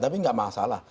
tapi nggak masalah